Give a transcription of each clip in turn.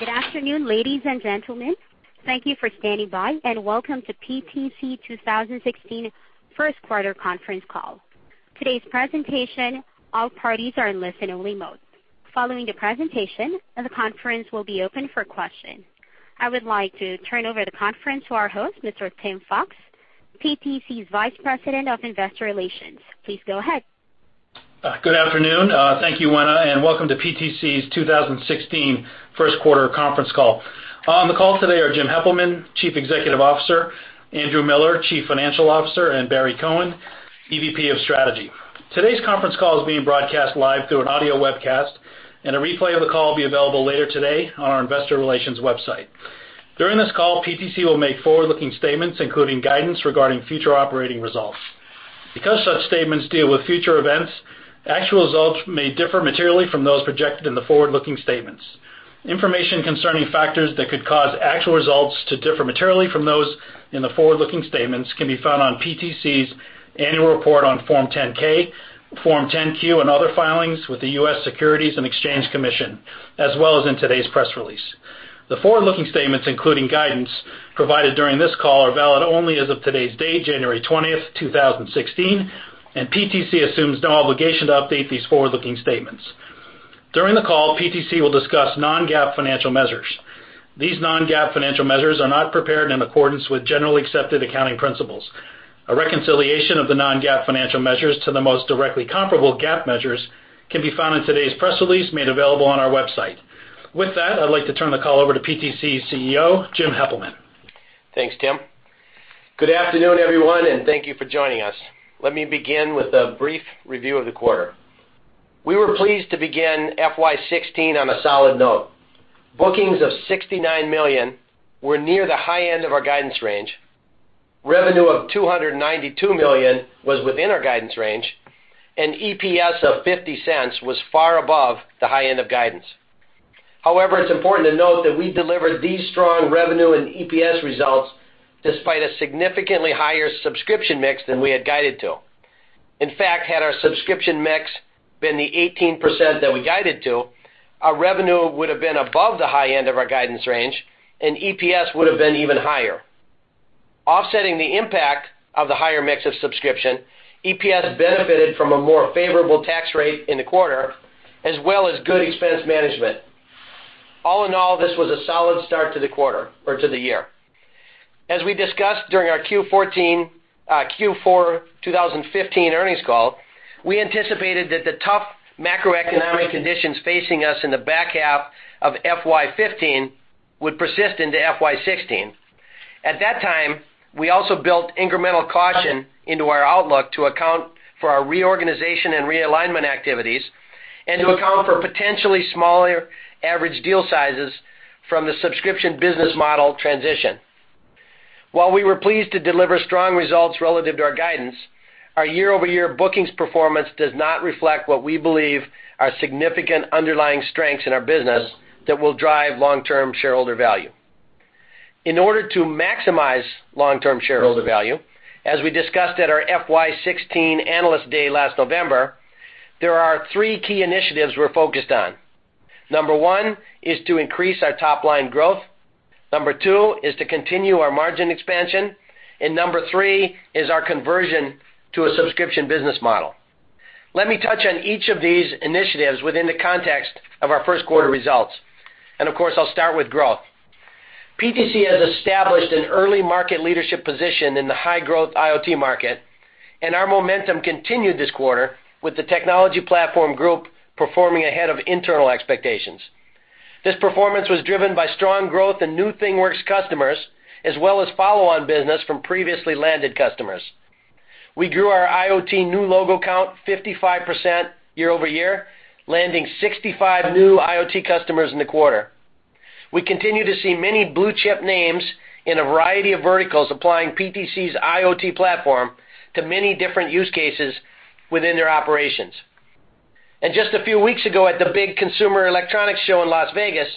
Good afternoon, ladies and gentlemen. Thank you for standing by, and welcome to PTC 2016 first quarter conference call. Today's presentation, all parties are in listen only mode. Following the presentation, the conference will be open for question. I would like to turn over the conference to our host, Mr. Tim Fox, PTC's Vice President of Investor Relations. Please go ahead. Good afternoon. Thank you, Wenna, and welcome to PTC's 2016 first quarter conference call. On the call today are Jim Heppelmann, Chief Executive Officer, Andrew Miller, Chief Financial Officer, and Barry Cohen, EVP of Strategy. Today's conference call is being broadcast live through an audio webcast, and a replay of the call will be available later today on our investor relations website. During this call, PTC will make forward-looking statements, including guidance regarding future operating results. Because such statements deal with future events, actual results may differ materially from those projected in the forward-looking statements. Information concerning factors that could cause actual results to differ materially from those in the forward-looking statements can be found on PTC's annual report on Form 10-K, Form 10-Q, and other filings with the U.S. Securities and Exchange Commission, as well as in today's press release. The forward-looking statements, including guidance provided during this call, are valid only as of today's date, January 20th, 2016, and PTC assumes no obligation to update these forward-looking statements. During the call, PTC will discuss non-GAAP financial measures. These non-GAAP financial measures are not prepared in accordance with generally accepted accounting principles. A reconciliation of the non-GAAP financial measures to the most directly comparable GAAP measures can be found in today's press release made available on our website. With that, I'd like to turn the call over to PTC's CEO, Jim Heppelmann. Thanks, Tim. Good afternoon, everyone, and thank you for joining us. Let me begin with a brief review of the quarter. We were pleased to begin FY 2016 on a solid note. Bookings of $69 million were near the high end of our guidance range. Revenue of $292 million was within our guidance range, and EPS of $0.50 was far above the high end of guidance. However, it's important to note that we delivered these strong revenue and EPS results despite a significantly higher subscription mix than we had guided to. In fact, had our subscription mix been the 18% that we guided to, our revenue would have been above the high end of our guidance range, and EPS would have been even higher. Offsetting the impact of the higher mix of subscription, EPS benefited from a more favorable tax rate in the quarter, as well as good expense management. All in all, this was a solid start to the year. As we discussed during our Q4 2015 earnings call, we anticipated that the tough macroeconomic conditions facing us in the back half of FY 2015 would persist into FY 2016. At that time, we also built incremental caution into our outlook to account for our reorganization and realignment activities and to account for potentially smaller average deal sizes from the subscription business model transition. While we were pleased to deliver strong results relative to our guidance, our year-over-year bookings performance does not reflect what we believe are significant underlying strengths in our business that will drive long-term shareholder value. In order to maximize long-term shareholder value, as we discussed at our FY 2016 Analyst Day last November, there are three key initiatives we're focused on. Number one is to increase our top-line growth. Number two is to continue our margin expansion. Number three is our conversion to a subscription business model. Let me touch on each of these initiatives within the context of our first quarter results. Of course, I'll start with growth. PTC has established an early market leadership position in the high-growth IoT market, and our momentum continued this quarter with the technology platform group performing ahead of internal expectations. This performance was driven by strong growth in new ThingWorx customers, as well as follow-on business from previously landed customers. We grew our IoT new logo count 55% year-over-year, landing 65 new IoT customers in the quarter. We continue to see many blue-chip names in a variety of verticals applying PTC's IoT platform to many different use cases within their operations. Just a few weeks ago, at the big Consumer Electronics Show in Las Vegas,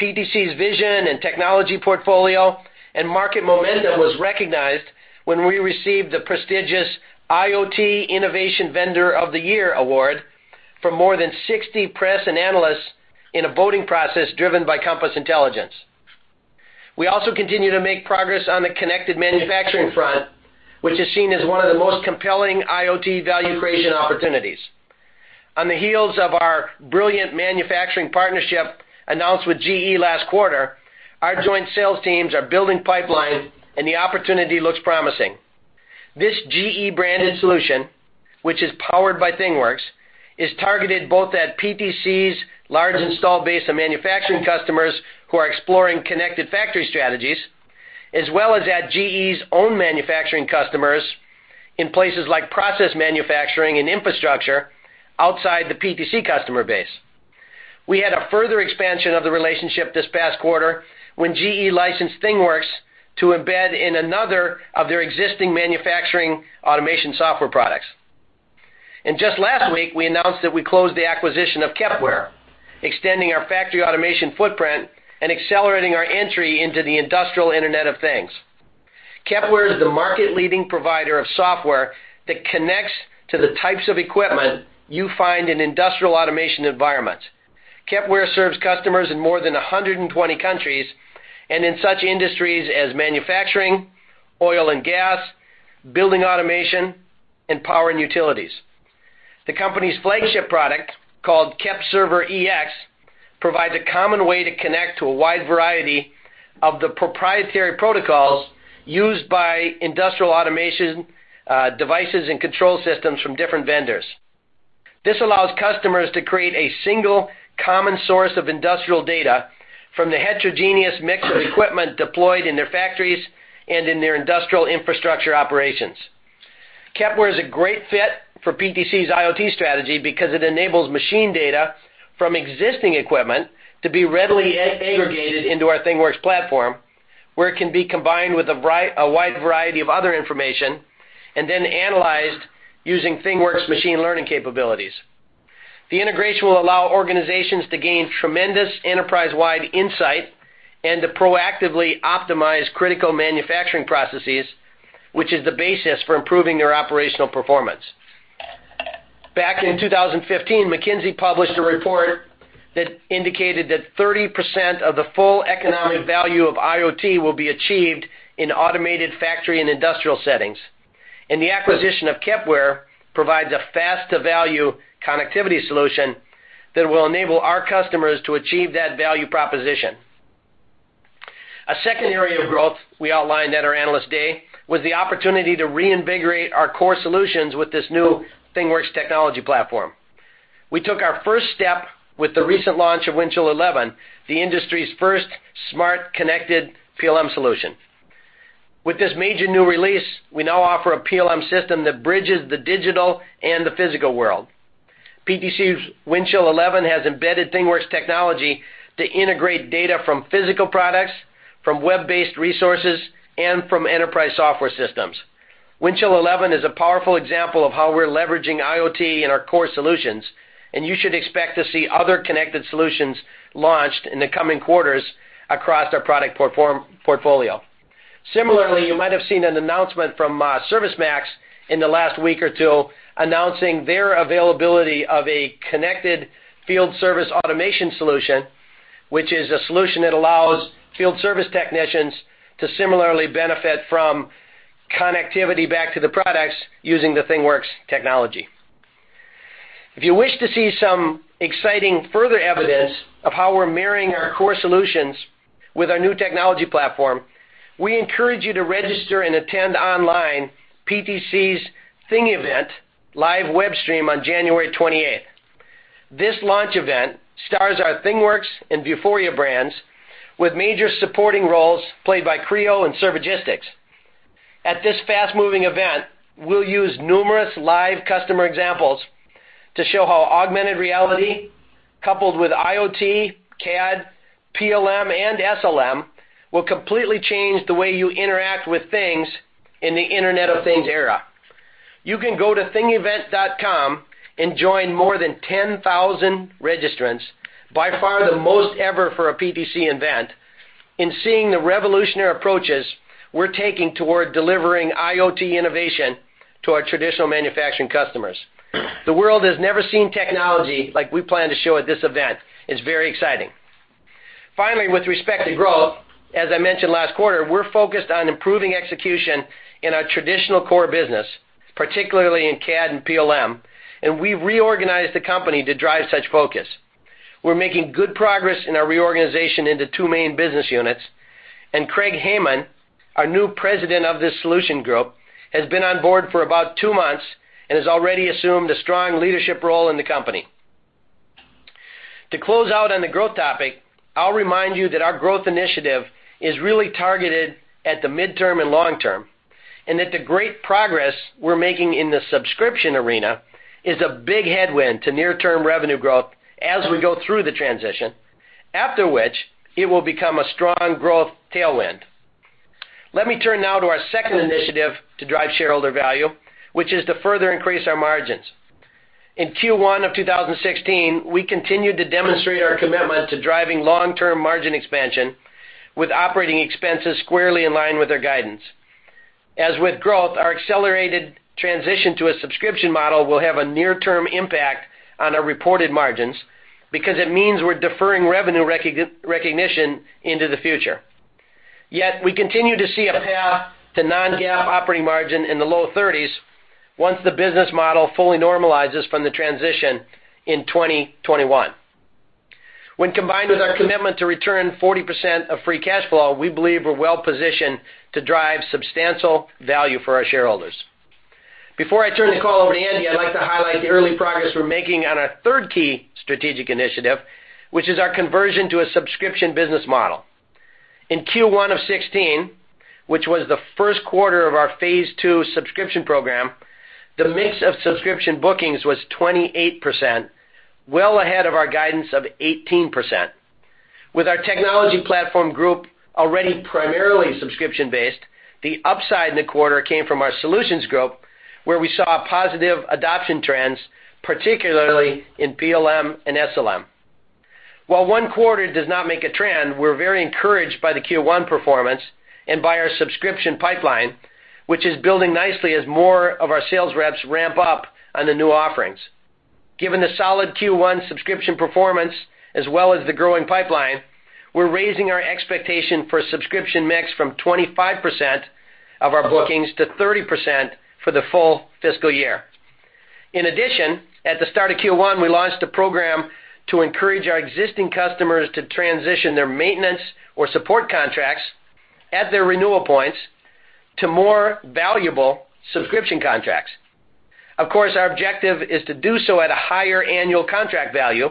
PTC's vision and technology portfolio and market momentum was recognized when we received the prestigious IoT Innovation Vendor of the Year award from more than 60 press and analysts in a voting process driven by Compass Intelligence. We also continue to make progress on the connected manufacturing front, which is seen as one of the most compelling IoT value creation opportunities. On the heels of our Brilliant Manufacturing partnership announced with GE last quarter, our joint sales teams are building pipeline. The opportunity looks promising. This GE-branded solution, which is powered by ThingWorx, is targeted both at PTC's large install base of manufacturing customers who are exploring connected factory strategies, as well as at GE's own manufacturing customers in places like process manufacturing and infrastructure outside the PTC customer base. We had a further expansion of the relationship this past quarter when GE licensed ThingWorx to embed in another of their existing manufacturing automation software products. Just last week, we announced that we closed the acquisition of Kepware, extending our factory automation footprint and accelerating our entry into the industrial Internet of Things. Kepware is the market-leading provider of software that connects to the types of equipment you find in industrial automation environments. Kepware serves customers in more than 120 countries, in such industries as manufacturing, oil and gas, building automation, and power and utilities. The company's flagship product, called KEPServerEX, provides a common way to connect to a wide variety of the proprietary protocols used by industrial automation devices and control systems from different vendors. This allows customers to create a single common source of industrial data from the heterogeneous mix of equipment deployed in their factories and in their industrial infrastructure operations. Kepware is a great fit for PTC's IoT strategy because it enables machine data from existing equipment to be readily aggregated into our ThingWorx platform, where it can be combined with a wide variety of other information, and then analyzed using ThingWorx machine learning capabilities. The integration will allow organizations to gain tremendous enterprise-wide insight and to proactively optimize critical manufacturing processes, which is the basis for improving their operational performance. Back in 2015, McKinsey published a report that indicated that 30% of the full economic value of IoT will be achieved in automated factory and industrial settings. The acquisition of Kepware provides a fast-to-value connectivity solution that will enable our customers to achieve that value proposition. A second area of growth we outlined at our Analyst Day was the opportunity to reinvigorate our core solutions with this new ThingWorx technology platform. We took our first step with the recent launch of Windchill 11, the industry's first smart connected PLM solution. With this major new release, we now offer a PLM system that bridges the digital and the physical world. PTC's Windchill 11 has embedded ThingWorx technology to integrate data from physical products, from web-based resources, and from enterprise software systems. Windchill 11 is a powerful example of how we're leveraging IoT in our core solutions, and you should expect to see other connected solutions launched in the coming quarters across our product portfolio. You might have seen an announcement from ServiceMax in the last week or two announcing their availability of a connected field service automation solution, which is a solution that allows field service technicians to similarly benefit from connectivity back to the products using the ThingWorx technology. If you wish to see some exciting further evidence of how we're marrying our core solutions with our new technology platform, we encourage you to register and attend online PTC's Thing Event live web stream on January 28th. This launch event stars our ThingWorx and Vuforia brands, with major supporting roles played by Creo and Servigistics. At this fast-moving event, we'll use numerous live customer examples to show how augmented reality coupled with IoT, CAD, PLM, and SLM will completely change the way you interact with things in the Internet of Things era. You can go to thingevent.com and join more than 10,000 registrants, by far the most ever for a PTC event, in seeing the revolutionary approaches we're taking toward delivering IoT innovation to our traditional manufacturing customers. The world has never seen technology like we plan to show at this event. It's very exciting. With respect to growth, as I mentioned last quarter, we're focused on improving execution in our traditional core business, particularly in CAD and PLM, and we've reorganized the company to drive such focus. We're making good progress in our reorganization into two main business units. Craig Hayman, our new President of this Solutions Group, has been on board for about two months and has already assumed a strong leadership role in the company. To close out on the growth topic, I'll remind you that our growth initiative is really targeted at the midterm and long term, and that the great progress we're making in the subscription arena is a big headwind to near-term revenue growth as we go through the transition, after which it will become a strong growth tailwind. Let me turn now to our second initiative to drive shareholder value, which is to further increase our margins. In Q1 of 2016, we continued to demonstrate our commitment to driving long-term margin expansion with operating expenses squarely in line with our guidance. As with growth, our accelerated transition to a subscription model will have a near-term impact on our reported margins, because it means we're deferring revenue recognition into the future. Yet, we continue to see a path to non-GAAP operating margin in the low 30s once the business model fully normalizes from the transition in 2021. When combined with our commitment to return 40% of free cash flow, we believe we're well positioned to drive substantial value for our shareholders. Before I turn the call over to Andy, I'd like to highlight the early progress we're making on our third key strategic initiative, which is our conversion to a subscription business model. In Q1 of 2016, which was the first quarter of our phase 2 subscription program, the mix of subscription bookings was 28%, well ahead of our guidance of 18%. With our Technology Platform Group already primarily subscription-based, the upside in the quarter came from our Solutions Group, where we saw positive adoption trends, particularly in PLM and SLM. While one quarter does not make a trend, we're very encouraged by the Q1 performance and by our subscription pipeline, which is building nicely as more of our sales reps ramp up on the new offerings. Given the solid Q1 subscription performance as well as the growing pipeline, we're raising our expectation for subscription mix from 25% of our bookings to 30% for the full fiscal year. In addition, at the start of Q1, we launched a program to encourage our existing customers to transition their maintenance or support contracts at their renewal points to more valuable subscription contracts. Of course, our objective is to do so at a higher annual contract value.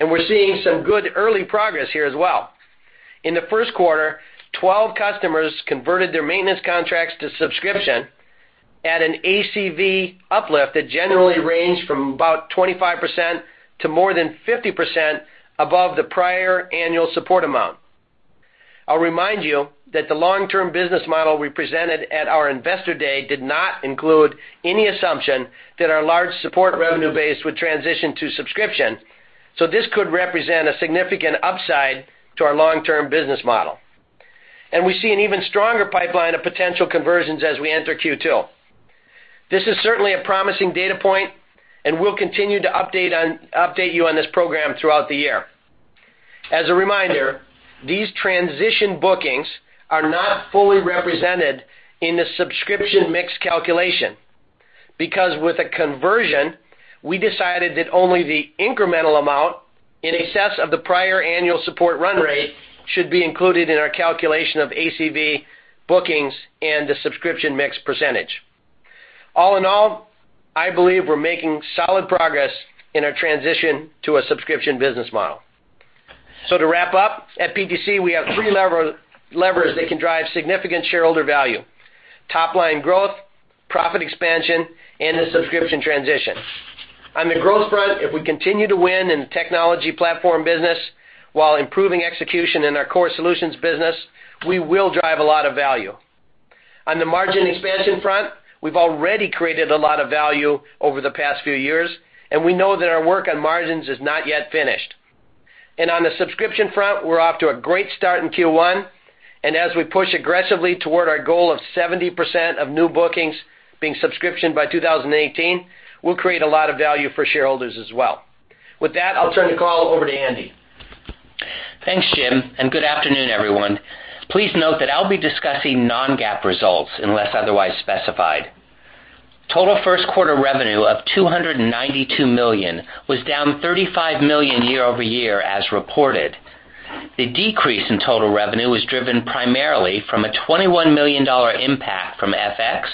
We're seeing some good early progress here as well. In the first quarter, 12 customers converted their maintenance contracts to subscription at an ACV uplift that generally ranged from about 25%-50% above the prior annual support amount. I'll remind you that the long-term business model we presented at our investor day did not include any assumption that our large support revenue base would transition to subscription. This could represent a significant upside to our long-term business model. We see an even stronger pipeline of potential conversions as we enter Q2. This is certainly a promising data point. We'll continue to update you on this program throughout the year. As a reminder, these transition bookings are not fully represented in the subscription mix calculation because with a conversion, we decided that only the incremental amount in excess of the prior annual support run rate should be included in our calculation of ACV bookings and the subscription mix percentage. All in all, I believe we are making solid progress in our transition to a subscription business model. To wrap up, at PTC, we have three levers that can drive significant shareholder value. Top-line growth, profit expansion, and the subscription transition. On the growth front, if we continue to win in the technology platform business while improving execution in our core solutions business, we will drive a lot of value. On the margin expansion front, we have already created a lot of value over the past few years, and we know that our work on margins is not yet finished. On the subscription front, we are off to a great start in Q1, and as we push aggressively toward our goal of 70% of new bookings being subscription by 2018, we will create a lot of value for shareholders as well. With that, I will turn the call over to Andy. Thanks, Jim, and good afternoon, everyone. Please note that I will be discussing non-GAAP results unless otherwise specified. Total first quarter revenue of $292 million was down $35 million year-over-year as reported. The decrease in total revenue was driven primarily from a $21 million impact from FX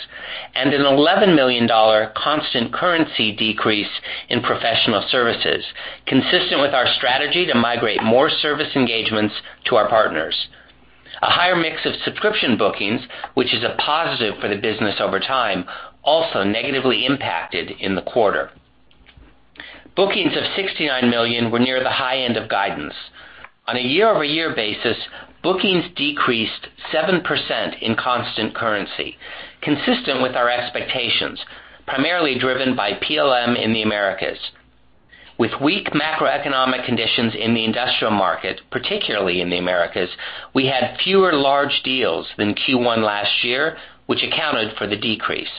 and an $11 million constant currency decrease in professional services, consistent with our strategy to migrate more service engagements to our partners. A higher mix of subscription bookings, which is a positive for the business over time, also negatively impacted in the quarter. Bookings of $69 million were near the high end of guidance. On a year-over-year basis, bookings decreased 7% in constant currency, consistent with our expectations, primarily driven by PLM in the Americas. With weak macroeconomic conditions in the industrial market, particularly in the Americas, we had fewer large deals than Q1 last year, which accounted for the decrease.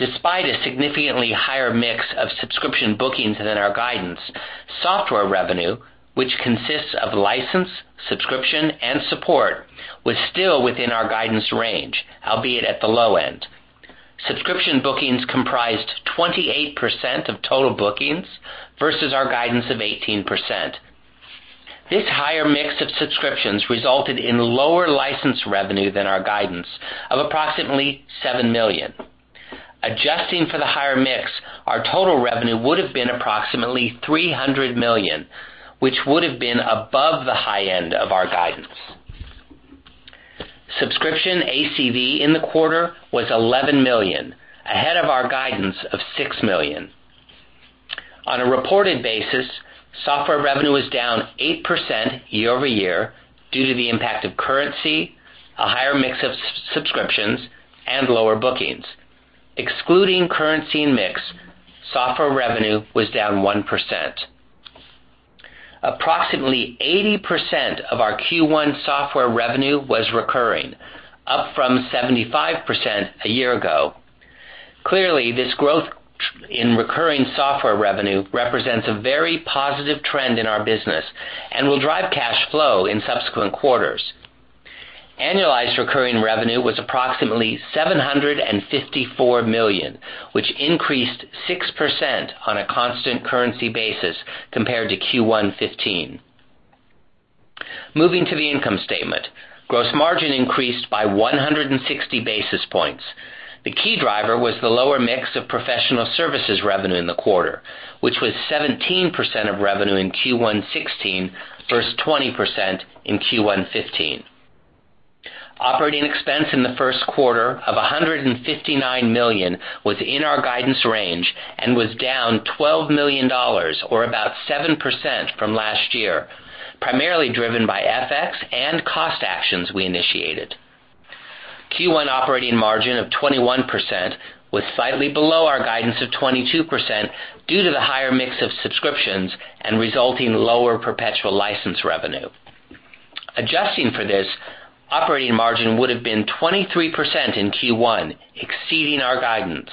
Despite a significantly higher mix of subscription bookings than our guidance, software revenue, which consists of license, subscription, and support, was still within our guidance range, albeit at the low end. Subscription bookings comprised 28% of total bookings versus our guidance of 18%. This higher mix of subscriptions resulted in lower license revenue than our guidance of approximately $7 million. Adjusting for the higher mix, our total revenue would have been approximately $300 million, which would have been above the high end of our guidance. Subscription ACV in the quarter was $11 million, ahead of our guidance of $6 million. On a reported basis, software revenue was down 8% year-over-year due to the impact of currency, a higher mix of subscriptions, and lower bookings. Excluding currency and mix, software revenue was down 1%. Approximately 80% of our Q1 software revenue was recurring, up from 75% a year ago. Clearly, this growth in recurring software revenue represents a very positive trend in our business and will drive cash flow in subsequent quarters. Annualized recurring revenue was approximately $754 million, which increased 6% on a constant currency basis compared to Q1 2015. Moving to the income statement. Gross margin increased by 160 basis points. The key driver was the lower mix of professional services revenue in the quarter, which was 17% of revenue in Q1 2016 versus 20% in Q1 2015. Operating expense in the first quarter of $159 million was in our guidance range and was down $12 million, or about 7%, from last year, primarily driven by FX and cost actions we initiated. Q1 operating margin of 21% was slightly below our guidance of 22% due to the higher mix of subscriptions and resulting lower perpetual license revenue. Adjusting for this, operating margin would have been 23% in Q1, exceeding our guidance.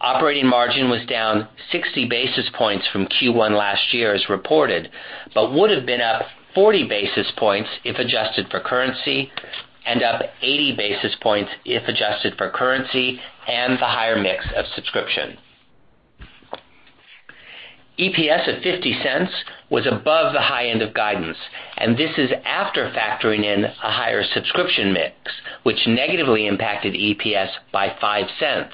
Operating margin was down 60 basis points from Q1 last year as reported, but would have been up 40 basis points if adjusted for currency, and up 80 basis points if adjusted for currency and the higher mix of subscription. EPS at $0.50 was above the high end of guidance. This is after factoring in a higher subscription mix, which negatively impacted EPS by $0.50.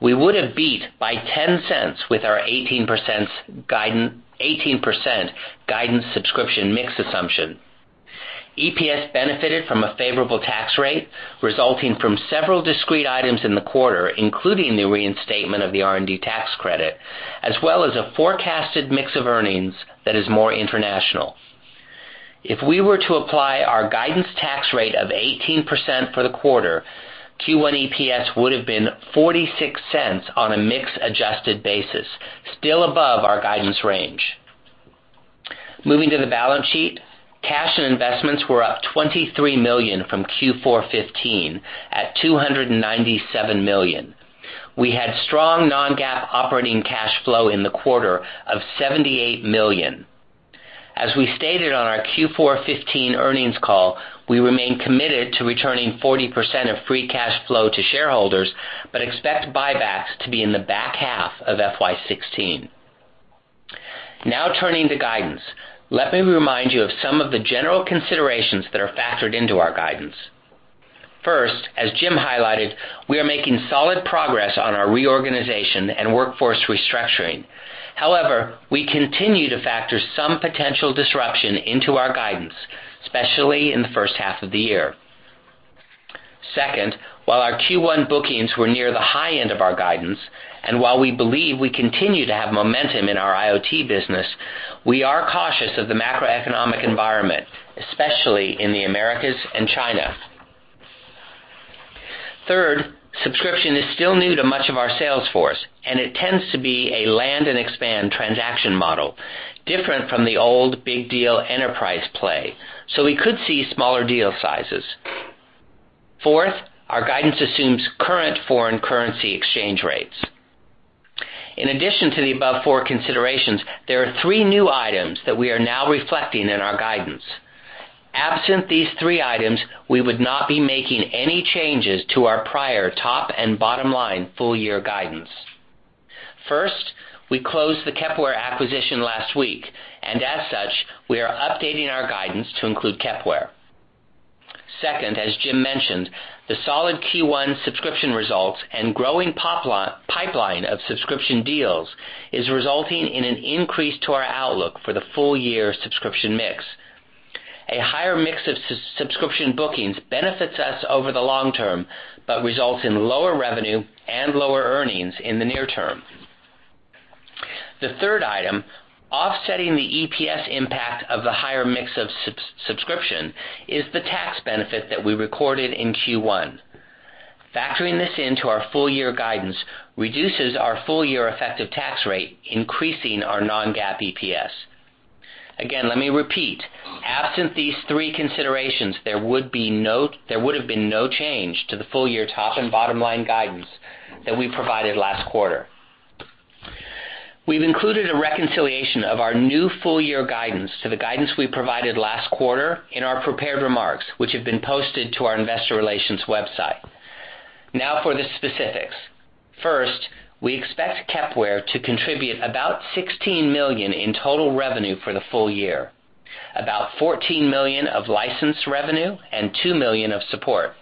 We would have beat by $0.10 with our 18% guidance subscription mix assumption. EPS benefited from a favorable tax rate resulting from several discrete items in the quarter, including the reinstatement of the R&D tax credit, as well as a forecasted mix of earnings that is more international. If we were to apply our guidance tax rate of 18% for the quarter, Q1 EPS would have been $0.46 on a mix-adjusted basis, still above our guidance range. Moving to the balance sheet, cash and investments were up $23 million from Q4 2015 at $297 million. We had strong non-GAAP operating cash flow in the quarter of $78 million. As we stated on our Q4 2015 earnings call, we remain committed to returning 40% of free cash flow to shareholders. Expect buybacks to be in the back half of FY 2016. Now, turning to guidance. Let me remind you of some of the general considerations that are factored into our guidance. First, as Jim highlighted, we are making solid progress on our reorganization and workforce restructuring. However, we continue to factor some potential disruption into our guidance, especially in the first half of the year. Second, while our Q1 bookings were near the high end of our guidance, and while we believe we continue to have momentum in our IoT business, we are cautious of the macroeconomic environment, especially in the Americas and China. Third, subscription is still new to much of our sales force. It tends to be a land and expand transaction model different from the old big deal enterprise play. We could see smaller deal sizes. Fourth, our guidance assumes current foreign currency exchange rates. In addition to the above four considerations, there are three new items that we are now reflecting in our guidance. Absent these three items, we would not be making any changes to our prior top and bottom line full-year guidance. First, we closed the Kepware acquisition last week. As such, we are updating our guidance to include Kepware. Second, as Jim mentioned, the solid Q1 subscription results and growing pipeline of subscription deals is resulting in an increase to our outlook for the full-year subscription mix. A higher mix of subscription bookings benefits us over the long term but results in lower revenue and lower earnings in the near term. The third item, offsetting the EPS impact of the higher mix of subscription, is the tax benefit that we recorded in Q1. Factoring this into our full-year guidance reduces our full-year effective tax rate, increasing our non-GAAP EPS. Again, let me repeat, absent these three considerations, there would have been no change to the full-year top and bottom line guidance that we provided last quarter. We've included a reconciliation of our new full-year guidance to the guidance we provided last quarter in our prepared remarks, which have been posted to our investor relations website. For the specifics. First, we expect Kepware to contribute about $16 million in total revenue for the full-year, about $14 million of license revenue, and $2 million of support.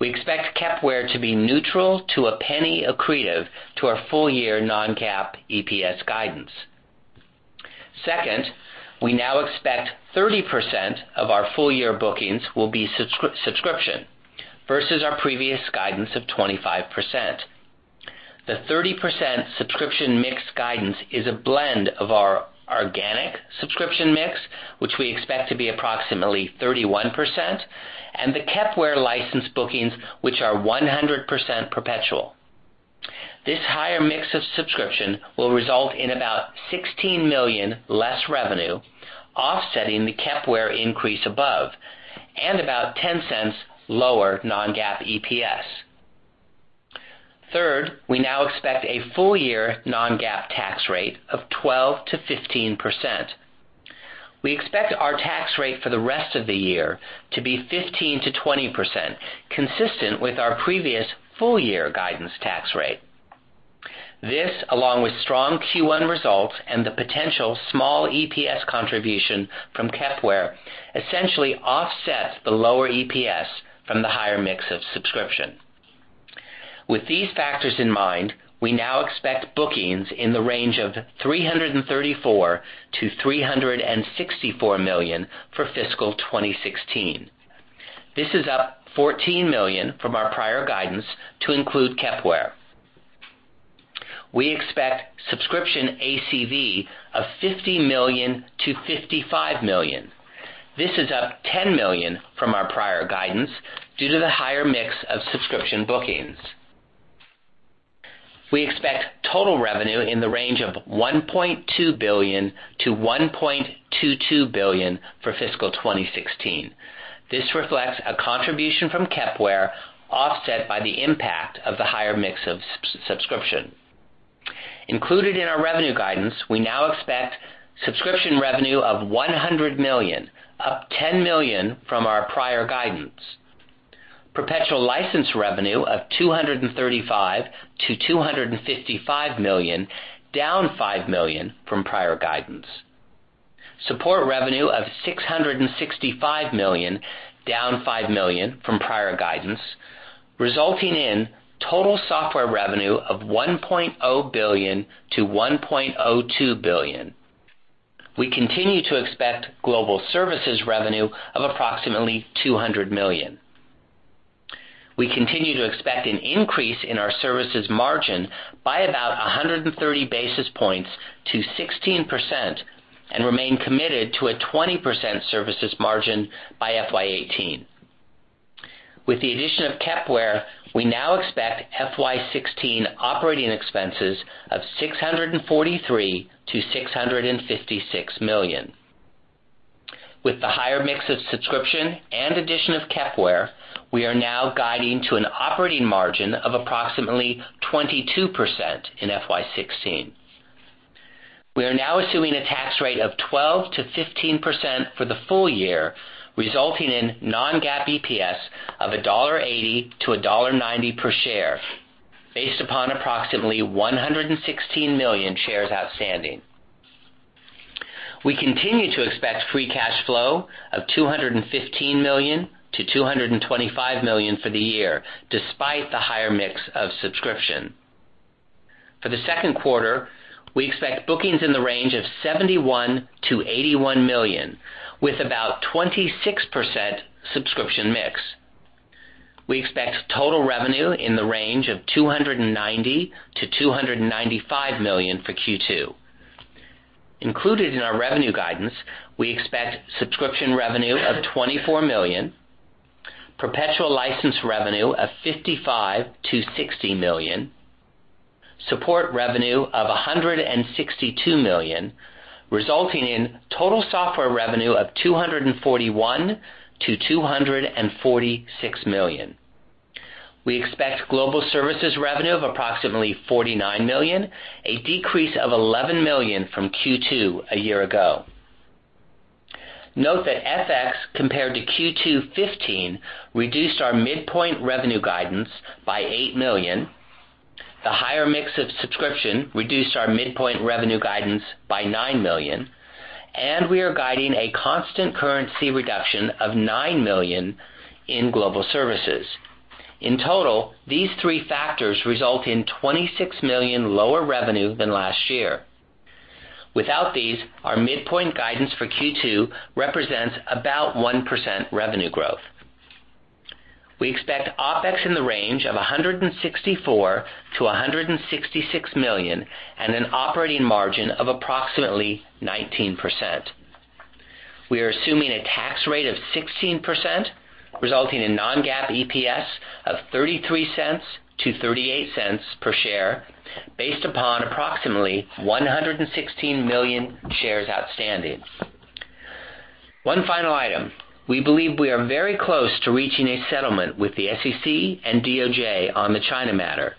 We expect Kepware to be neutral to a $0.01 accretive to our full-year non-GAAP EPS guidance. Second, we now expect 30% of our full-year bookings will be subscription versus our previous guidance of 25%. The 30% subscription mix guidance is a blend of our organic subscription mix, which we expect to be approximately 31%, and the Kepware license bookings, which are 100% perpetual. This higher mix of subscription will result in about $16 million less revenue, offsetting the Kepware increase above, and about $0.10 lower non-GAAP EPS. Third, we now expect a full-year non-GAAP tax rate of 12%-15%. We expect our tax rate for the rest of the year to be 15%-20%, consistent with our previous full-year guidance tax rate. This, along with strong Q1 results and the potential small EPS contribution from Kepware, essentially offsets the lower EPS from the higher mix of subscription. With these factors in mind, we now expect bookings in the range of $334 million-$364 million for fiscal 2016. This is up $14 million from our prior guidance to include Kepware. We expect subscription ACV of $50 million-$55 million. This is up $10 million from our prior guidance due to the higher mix of subscription bookings. We expect total revenue in the range of $1.2 billion-$1.22 billion for fiscal 2016. This reflects a contribution from Kepware, offset by the impact of the higher mix of subscription. Included in our revenue guidance, we now expect subscription revenue of $100 million, up $10 million from our prior guidance. Perpetual license revenue of $235 million-$255 million, down $5 million from prior guidance. Support revenue of $665 million, down $5 million from prior guidance, resulting in total software revenue of $1.0 billion-$1.02 billion. We continue to expect global services revenue of approximately $200 million. We continue to expect an increase in our services margin by about 130 basis points to 16% and remain committed to a 20% services margin by FY 2018. With the addition of Kepware, we now expect FY 2016 operating expenses of $643 million-$656 million. With the higher mix of subscription and addition of Kepware, we are now guiding to an operating margin of approximately 22% in FY 2016. We are now assuming a tax rate of 12%-15% for the full year, resulting in non-GAAP EPS of $1.80-$1.90 per share based upon approximately 116 million shares outstanding. We continue to expect free cash flow of $215 million-$225 million for the year, despite the higher mix of subscription. For the second quarter, we expect bookings in the range of $71 million-$81 million with about 26% subscription mix. We expect total revenue in the range of $290 million-$295 million for Q2. Included in our revenue guidance, we expect subscription revenue of $24 million, perpetual license revenue of $55 million-$60 million, support revenue of $162 million, resulting in total software revenue of $241 million-$246 million. We expect global services revenue of approximately $49 million, a decrease of $11 million from Q2 a year ago. Note that FX compared to Q2 2015 reduced our midpoint revenue guidance by $8 million. The higher mix of subscription reduced our midpoint revenue guidance by $9 million, and we are guiding a constant currency reduction of $9 million in global services. In total, these three factors result in $26 million lower revenue than last year. Without these, our midpoint guidance for Q2 represents about 1% revenue growth. We expect OpEx in the range of $164 million-$166 million and an operating margin of approximately 19%. We are assuming a tax rate of 16%, resulting in non-GAAP EPS of $0.33-$0.38 per share based upon approximately 116 million shares outstanding. One final item. We believe we are very close to reaching a settlement with the SEC and DOJ on the China matter.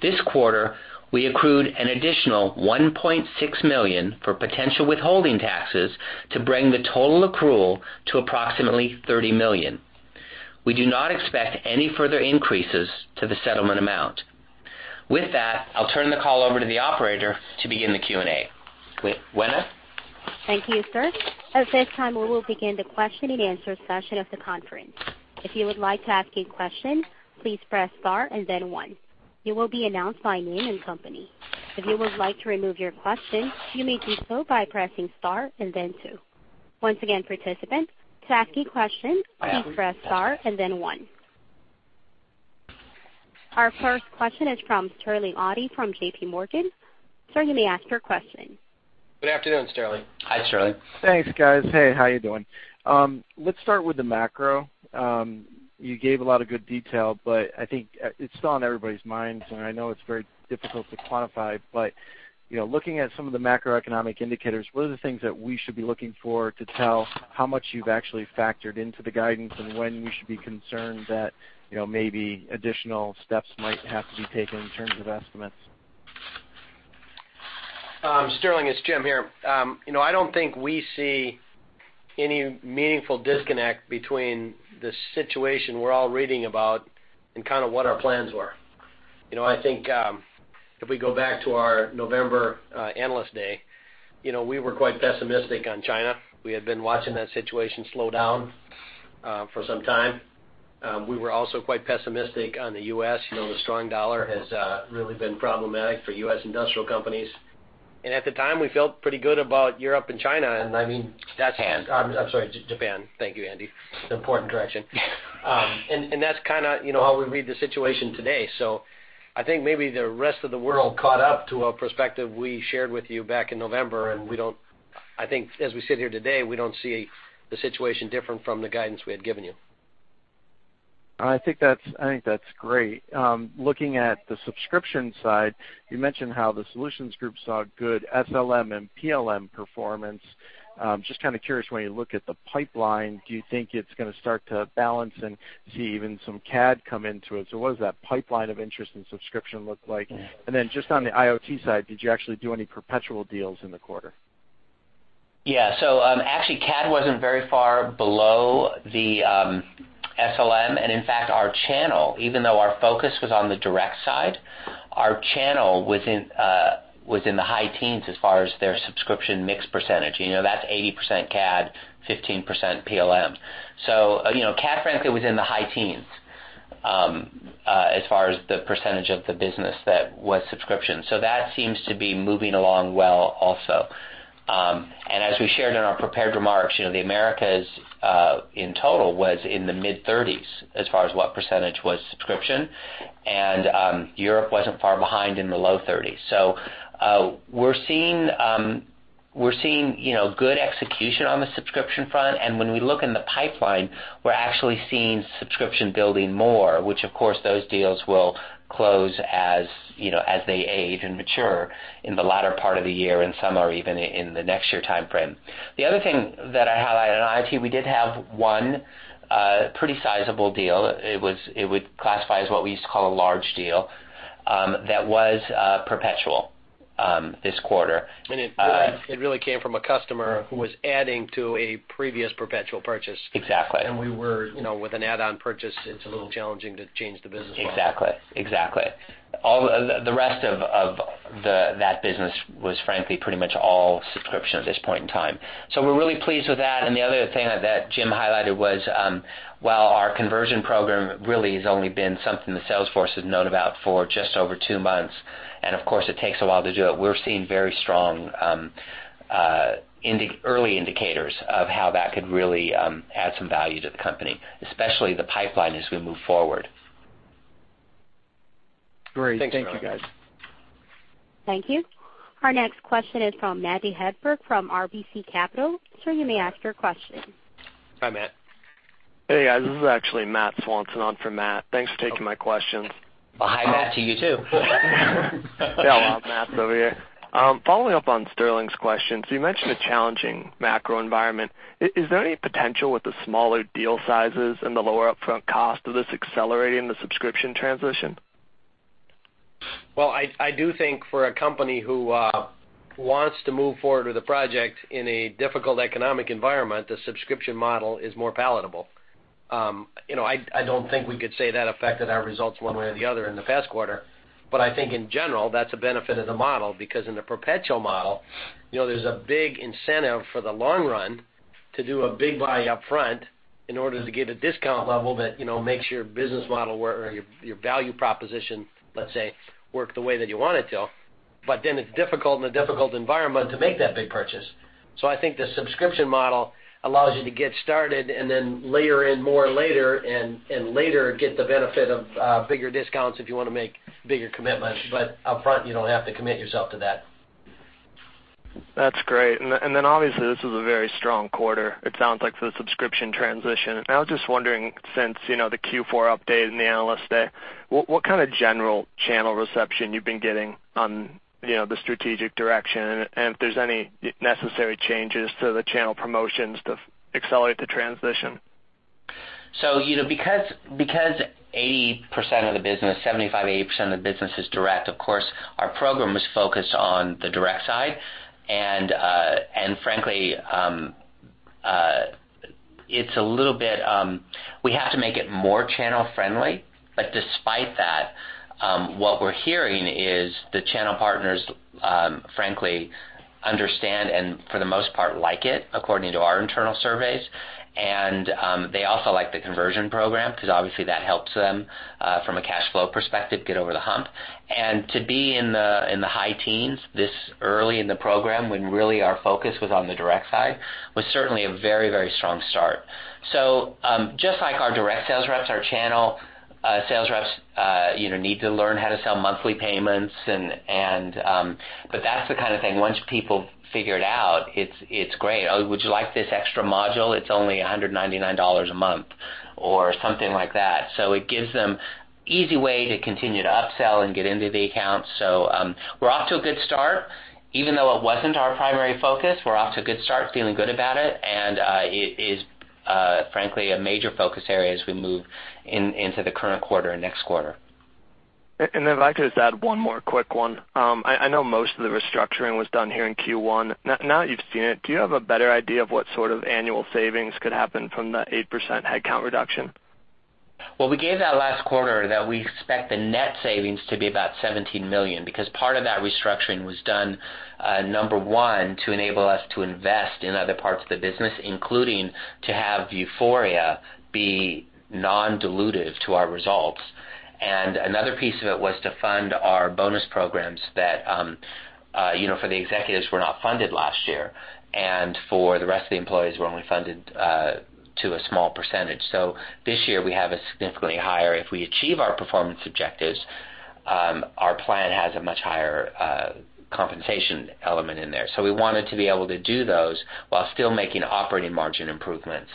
This quarter, we accrued an additional $1.6 million for potential withholding taxes to bring the total accrual to approximately $30 million. We do not expect any further increases to the settlement amount. With that, I'll turn the call over to the operator to begin the Q&A. Wenna? Thank you, sir. At this time, we will begin the question and answer session of the conference. If you would like to ask a question, please press star and then one. You will be announced by name and company. If you would like to remove your question, you may do so by pressing star and then two. Once again, participants, to ask a question, please press star and then one. Our first question is from Sterling Auty from JPMorgan. Sir, you may ask your question. Good afternoon, Sterling. Hi, Sterling. Thanks, guys. Hey, how are you doing? Let's start with the macro. You gave a lot of good detail, but I think it's still on everybody's minds, and I know it's very difficult to quantify, but looking at some of the macroeconomic indicators, what are the things that we should be looking for to tell how much you've actually factored into the guidance and when we should be concerned that maybe additional steps might have to be taken in terms of estimates? Sterling, it's Jim here. I don't think we see any meaningful disconnect between the situation we're all reading about and kind of what our plans were. I think if we go back to our November Analyst Day, we were quite pessimistic on China. We had been watching that situation slow down for some time. We were also quite pessimistic on the U.S. The strong dollar has really been problematic for U.S. industrial companies. At the time, we felt pretty good about Europe and China. Japan. I'm sorry, Japan. Thank you, Andy. Important correction. That's how we read the situation today. I think maybe the rest of the world caught up to a perspective we shared with you back in November. I think, as we sit here today, we don't see the situation different from the guidance we had given you. I think that's great. Looking at the subscription side, you mentioned how the Solutions Group saw good SLM and PLM performance. Just kind of curious, when you look at the pipeline, do you think it's going to start to balance and see even some CAD come into it? What does that pipeline of interest in subscription look like? Then just on the IoT side, did you actually do any perpetual deals in the quarter? Yeah. Actually, CAD wasn't very far below the SLM. In fact, our channel, even though our focus was on the direct side, our channel was in the high teens as far as their subscription mix percentage. That's 80% CAD, 15% PLM. CAD, frankly, was in the high teens, as far as the percentage of the business that was subscription. That seems to be moving along well also. As we shared in our prepared remarks, the Americas in total was in the mid-30s as far as what percentage was subscription, and Europe wasn't far behind in the low 30s. We're seeing good execution on the subscription front. When we look in the pipeline, we're actually seeing subscription building more, which, of course, those deals will close as they age and mature in the latter part of the year. Some are even in the next year timeframe. The other thing that I highlighted on IoT, we did have one pretty sizable deal. It would classify as what we used to call a large deal, that was perpetual this quarter. It really came from a customer who was adding to a previous perpetual purchase. Exactly. With an add-on purchase, it's a little challenging to change the business model. Exactly. The rest of that business was frankly pretty much all subscription at this point in time. We're really pleased with that, and the other thing that Jim highlighted was while our conversion program really has only been something the sales force has known about for just over two months, and of course, it takes a while to do it, we're seeing very strong early indicators of how that could really add some value to the company, especially the pipeline as we move forward. Great. Thank you, guys. Thanks for asking. Thank you. Our next question is from Matt Hedberg from RBC Capital. Sir, you may ask your question. Hi, Matt. Hey, guys. This is actually Matthew Swanson on for Matt. Thanks for taking my questions. Hi, Matt, to you, too. Yeah, a lot of Matts over here. Following up on Sterling's question, you mentioned a challenging macro environment. Is there any potential with the smaller deal sizes and the lower upfront cost of this accelerating the subscription transition? Well, I do think for a company who wants to move forward with a project in a difficult economic environment, the subscription model is more palatable. I don't think we could say that affected our results one way or the other in the past quarter. I think in general, that's a benefit of the model, because in the perpetual model, there's a big incentive for the long run to do a big buy upfront in order to get a discount level that makes your business model work or your value proposition, let's say, work the way that you want it to. Then it's difficult in a difficult environment to make that big purchase. I think the subscription model allows you to get started and then layer in more later, and later get the benefit of bigger discounts if you want to make bigger commitments. Upfront, you don't have to commit yourself to that. That's great. Obviously, this was a very strong quarter, it sounds like, for the subscription transition. I was just wondering, since the Q4 update and the Analyst Day, what kind of general channel reception you've been getting on the strategic direction, and if there's any necessary changes to the channel promotions to accelerate the transition? Because 75%-80% of the business is direct, of course, our program was focused on the direct side. Frankly, we have to make it more channel-friendly. Despite that, what we're hearing is the channel partners frankly understand, and for the most part, like it, according to our internal surveys. They also like the conversion program, because obviously that helps them, from a cash flow perspective, get over the hump. To be in the high teens this early in the program, when really our focus was on the direct side, was certainly a very strong start. Just like our direct sales reps, our channel sales reps need to learn how to sell monthly payments, but that's the kind of thing, once people figure it out, it's great. "Oh, would you like this extra module? It's only $199 a month," or something like that. It gives them easy way to continue to upsell and get into the account. We're off to a good start. Even though it wasn't our primary focus, we're off to a good start, feeling good about it is frankly a major focus area as we move into the current quarter and next quarter. If I could just add one more quick one. I know most of the restructuring was done here in Q1. Now that you've seen it, do you have a better idea of what sort of annual savings could happen from the 8% headcount reduction? We gave that last quarter that we expect the net savings to be about $17 million because part of that restructuring was done, number one, to enable us to invest in other parts of the business, including to have Vuforia be non-dilutive to our results. Another piece of it was to fund our bonus programs that for the executives were not funded last year, and for the rest of the employees were only funded to a small percentage. This year we have a significantly higher, if we achieve our performance objectives, our plan has a much higher compensation element in there. We wanted to be able to do those while still making operating margin improvements,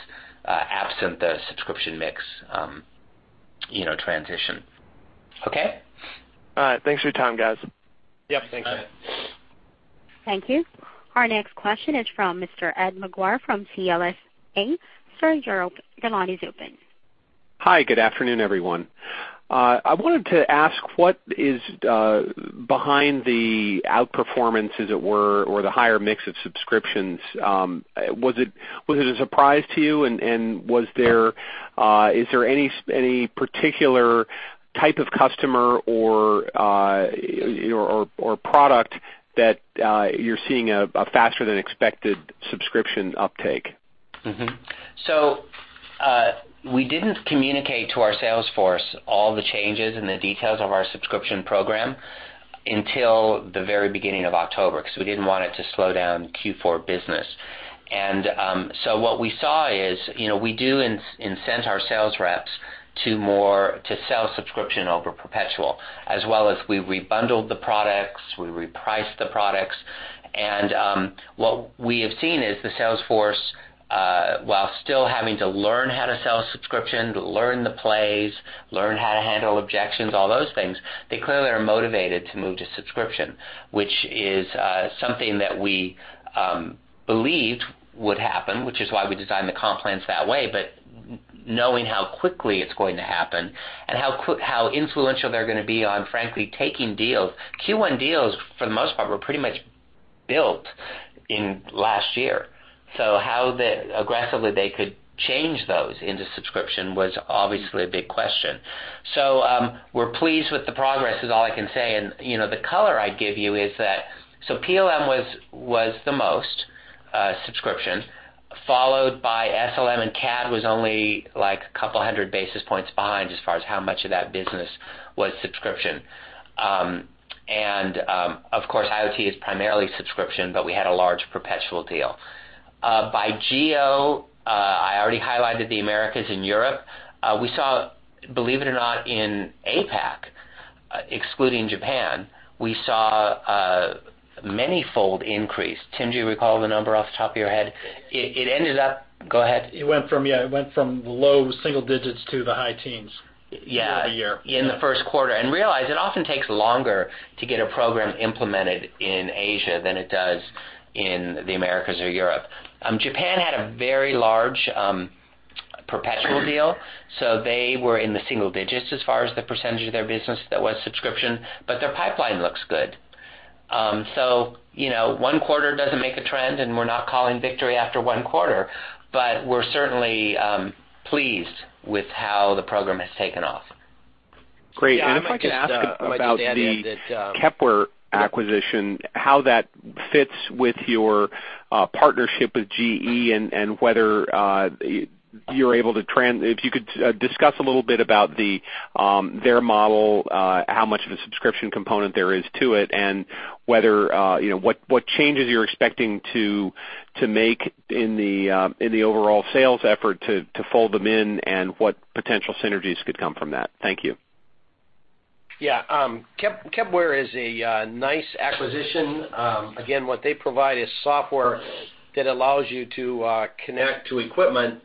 absent the subscription mix transition. Okay? All right. Thanks for your time, guys. Yep. Thanks. Bye. Thank you. Our next question is from Mr. Ed McGuire from CLSA Inc. Sir, your line is open. Hi, good afternoon, everyone. I wanted to ask what is behind the outperformance, as it were, or the higher mix of subscriptions. Is there any particular type of customer or product that you're seeing a faster than expected subscription uptake? We didn't communicate to our sales force all the changes and the details of our subscription program until the very beginning of October, because we didn't want it to slow down Q4 business. What we saw is, we do incent our sales reps to sell subscription over perpetual, as well as we've rebundled the products, we repriced the products. What we have seen is the sales force, while still having to learn how to sell subscription, to learn the plays, learn how to handle objections, all those things, they clearly are motivated to move to subscription, which is something that we believed would happen, which is why we designed the comp plans that way. Knowing how quickly it's going to happen and how influential they're going to be on, frankly, taking deals. Q1 deals, for the most part, were pretty much built in last year. How aggressively they could change those into subscription was obviously a big question. We're pleased with the progress is all I can say. The color I'd give you is that PLM was the most subscription, followed by SLM, CAD was only a couple of 200 basis points behind as far as how much of that business was subscription. Of course, IoT is primarily subscription, but we had a large perpetual deal. By geo, I already highlighted the Americas and Europe. We saw, believe it or not, in APAC, excluding Japan, we saw a manyfold increase. Tim, do you recall the number off the top of your head? It ended up Go ahead. It went from low single digits to the high teens- Yeah over the year. In the first quarter. Realize it often takes longer to get a program implemented in Asia than it does in the Americas or Europe. Japan had a very large perpetual deal, so they were in the single digits as far as the percentage of their business that was subscription, but their pipeline looks good. One quarter doesn't make a trend, and we're not calling victory after one quarter, but we're certainly pleased with how the program has taken off. Great. If I could ask about the Kepware acquisition, how that fits with your partnership with GE and whether you're able to If you could discuss a little bit about their model, how much of a subscription component there is to it, and what changes you're expecting to make in the overall sales effort to fold them in, and what potential synergies could come from that. Thank you. Yeah. Kepware is a nice acquisition. Again, what they provide is software that allows you to connect to equipment,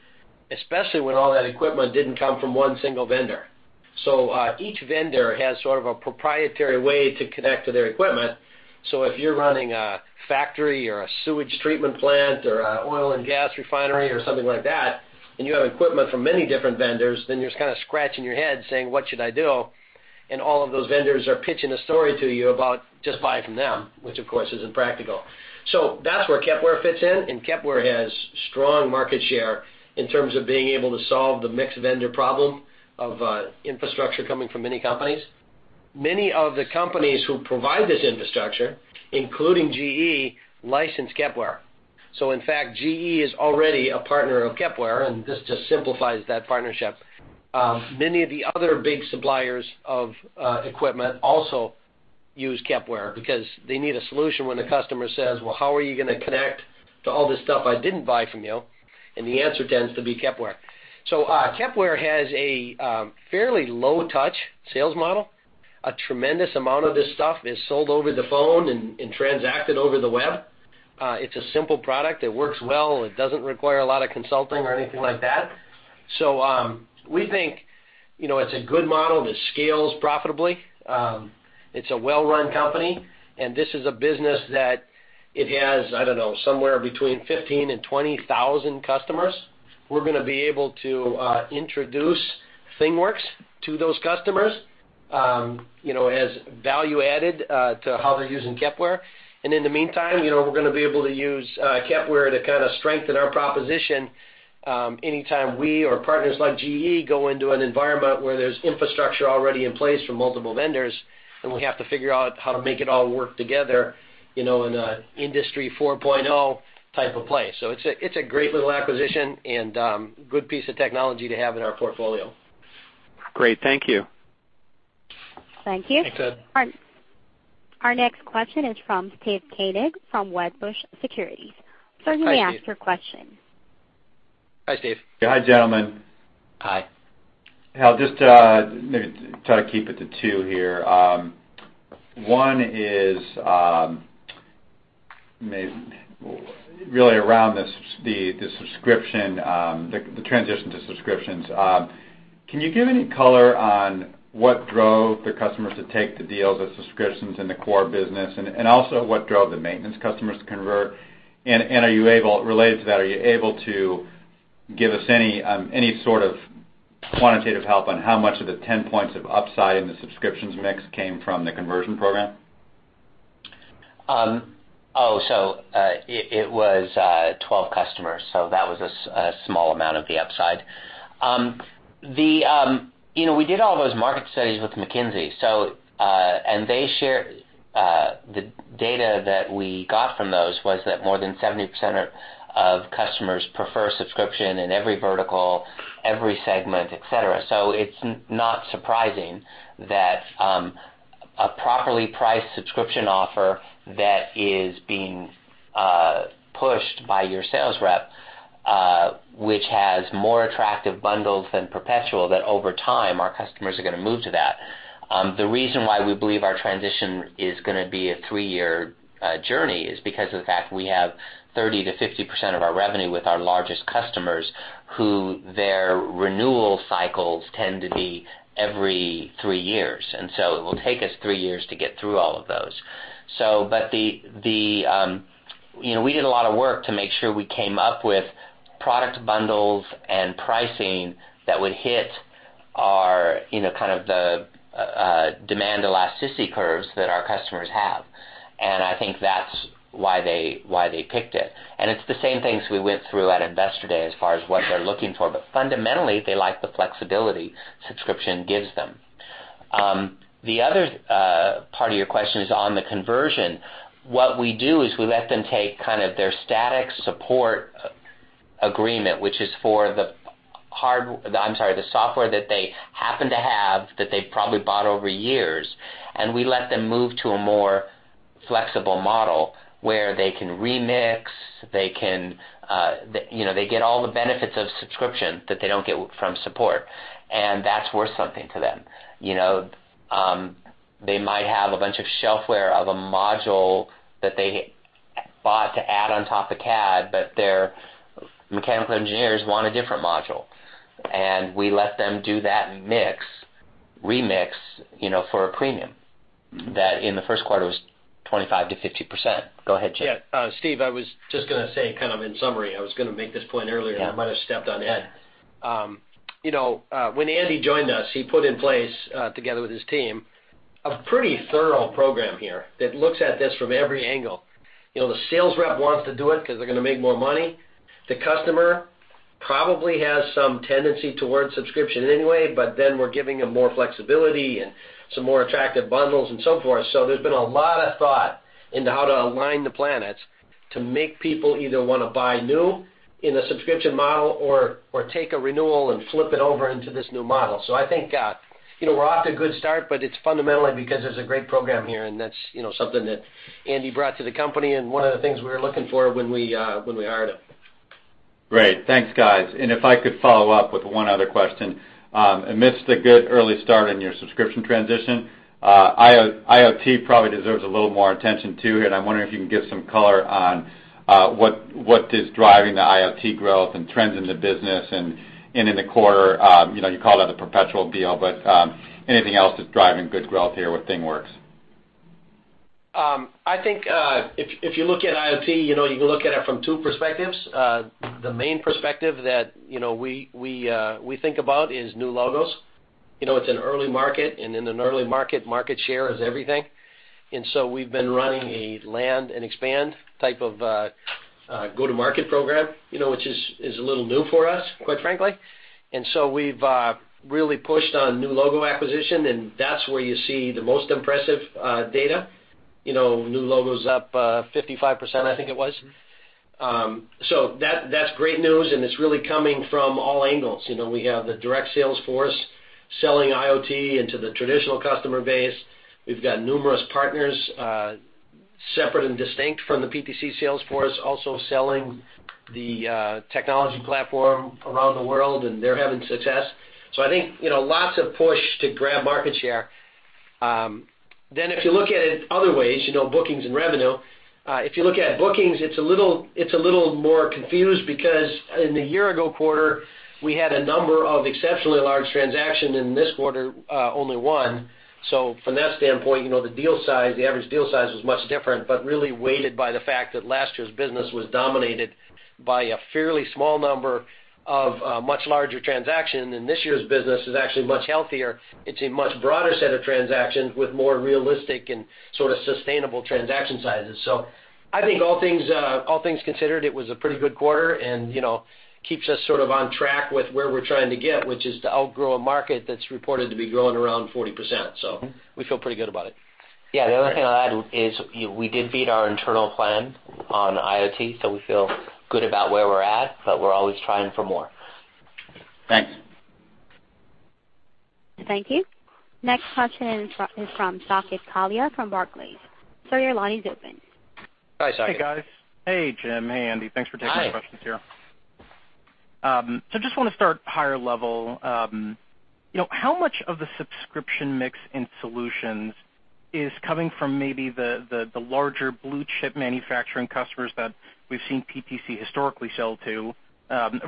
especially when all that equipment didn't come from one single vendor. Each vendor has sort of a proprietary way to connect to their equipment. If you're running a factory or a sewage treatment plant or an oil and gas refinery or something like that, and you have equipment from many different vendors, then you're just kind of scratching your head saying, "What should I do?" All of those vendors are pitching a story to you about just buying from them. Which, of course, isn't practical. That's where Kepware fits in, and Kepware has strong market share in terms of being able to solve the mixed vendor problem of infrastructure coming from many companies. Many of the companies who provide this infrastructure, including GE, license Kepware. In fact, GE is already a partner of Kepware, this just simplifies that partnership. Many of the other big suppliers of equipment also use Kepware because they need a solution when the customer says, "Well, how are you going to connect to all this stuff I didn't buy from you?" The answer tends to be Kepware. Kepware has a fairly low-touch sales model. A tremendous amount of this stuff is sold over the phone and transacted over the web. It's a simple product. It works well. It doesn't require a lot of consulting or anything like that. We think it's a good model that scales profitably. It's a well-run company, and this is a business that it has, I don't know, somewhere between 15,000 and 20,000 customers. We're going to be able to introduce ThingWorx To those customers, as value added to how they're using Kepware. In the meantime, we're going to be able to use Kepware to kind of strengthen our proposition anytime we or partners like GE go into an environment where there's infrastructure already in place from multiple vendors, and we have to figure out how to make it all work together in an Industry 4.0 type of place. It's a great little acquisition and good piece of technology to have in our portfolio. Great. Thank you. Thank you. Thanks, Ed. Our next question is from Steve Koenig from Wedbush Securities. Hi, Steve. Sir, you may ask your question. Hi, Steve. Hi, gentlemen. Hi. I'll just maybe try to keep it to two here. One is really around the transition to subscriptions. Can you give any color on what drove the customers to take the deals of subscriptions in the core business? Also what drove the maintenance customers to convert? Related to that, are you able to give us any sort of quantitative help on how much of the 10 points of upside in the subscriptions mix came from the conversion program? It was 12 customers, so that was a small amount of the upside. We did all those market studies with McKinsey, and the data that we got from those was that more than 70% of customers prefer subscription in every vertical, every segment, et cetera. It's not surprising that a properly priced subscription offer that is being pushed by your sales rep, which has more attractive bundles than perpetual, that over time, our customers are going to move to that. The reason why we believe our transition is going to be a three-year journey is because of the fact we have 30%-50% of our revenue with our largest customers who their renewal cycles tend to be every three years. It will take us three years to get through all of those. We did a lot of work to make sure we came up with product bundles and pricing that would hit our kind of the demand elasticity curves that our customers have. I think that's why they picked it. It's the same things we went through at Investor Day as far as what they're looking for. Fundamentally, they like the flexibility subscription gives them. The other part of your question is on the conversion. What we do is we let them take kind of their static support agreement, which is for the software that they happen to have, that they probably bought over years. We let them move to a more flexible model where they can remix. They get all the benefits of subscription that they don't get from support, and that's worth something to them. They might have a bunch of shelfware of a module that they bought to add on top of CAD, their mechanical engineers want a different module. We let them do that remix for a premium. That in the first quarter was 25%-50%. Go ahead, Jim. Yeah. Steve, I was just going to say kind of in summary, I was going to make this point earlier, I might have stepped on Ed. When Andy joined us, he put in place, together with his team, a pretty thorough program here that looks at this from every angle. The sales rep wants to do it because they're going to make more money. The customer probably has some tendency towards subscription anyway, we're giving them more flexibility and some more attractive bundles and so forth. There's been a lot of thought into how to align the planets to make people either want to buy new in a subscription model or take a renewal and flip it over into this new model. I think we're off to a good start, it's fundamentally because there's a great program here, that's something that Andy brought to the company and one of the things we were looking for when we hired him. Great. Thanks, guys. If I could follow up with one other question. Amidst a good early start in your subscription transition, IoT probably deserves a little more attention too, and I'm wondering if you can give some color on what is driving the IoT growth and trends in the business, and in the quarter. You called out the perpetual deal, but anything else that's driving good growth here with ThingWorx? I think if you look at IoT, you can look at it from two perspectives. The main perspective that we think about is new logos. It's an early market, and in an early market share is everything. We've been running a land and expand type of go-to-market program, which is a little new for us, quite frankly. We've really pushed on new logo acquisition, and that's where you see the most impressive data. New logos up 55%, I think it was. That's great news, and it's really coming from all angles. We have the direct sales force selling IoT into the traditional customer base. We've got numerous partners separate and distinct from the PTC sales force, also selling the technology platform around the world, and they're having success. I think lots of push to grab market share. If you look at it other ways, bookings and revenue If you look at bookings, it's a little more confused because in the year-ago quarter, we had a number of exceptionally large transactions. In this quarter, only one. From that standpoint, the average deal size was much different, but really weighted by the fact that last year's business was dominated by a fairly small number of much larger transactions, and this year's business is actually much healthier. It's a much broader set of transactions with more realistic and sort of sustainable transaction sizes. I think all things considered, it was a pretty good quarter and keeps us sort of on track with where we're trying to get, which is to outgrow a market that's reported to be growing around 40%. We feel pretty good about it. Yeah. The other thing I'll add is we did beat our internal plan on IoT, so we feel good about where we're at, but we're always trying for more. Thanks. Thank you. Next question is from Saket Kalia from Barclays. Sir, your line is open. Hi, Saket. Hi, guys. Hey, Jim. Hey, Andy. Thanks for taking our questions here. Hi. How much of the subscription mix in solutions is coming from maybe the larger blue-chip manufacturing customers that we've seen PTC historically sell to,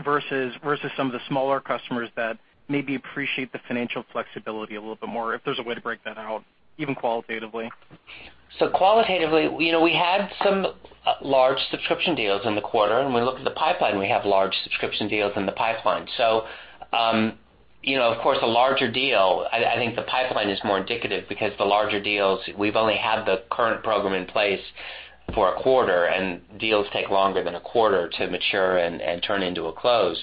versus some of the smaller customers that maybe appreciate the financial flexibility a little bit more, if there's a way to break that out, even qualitatively? Qualitatively, we had some large subscription deals in the quarter, and when we look at the pipeline, we have large subscription deals in the pipeline. Of course, a larger deal, I think the pipeline is more indicative because the larger deals, we've only had the current program in place for a quarter, and deals take longer than a quarter to mature and turn into a close.